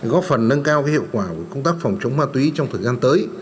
góp phần nâng cao hiệu quả của công tác phòng chống ma túy trong thời gian tới